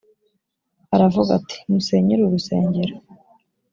aravuga ati “musenye uru rusengero”